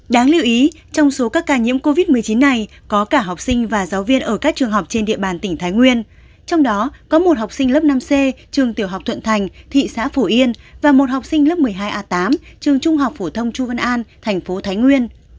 đáng lưu ý trong số các ca nhiễm covid một mươi chín này có cả học sinh và giáo viên ở các trường học trên địa bàn tỉnh thái nguyên trong đó có một học sinh lớp năm c trường tiểu học thuận thành thị xã phổ yên và một học sinh lớp một mươi hai a tám trường trung học phổ thông chu văn an thành phố thái nguyên